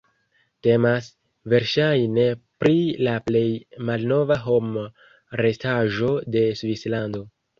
Temas verŝajne pri la plej malnova homa artaĵo en Svislando.